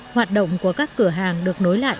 hoạt động của các cửa hàng được nối lại